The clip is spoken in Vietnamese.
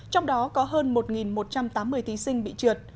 trong đó có hơn một một trăm tám mươi thí sinh bị trượt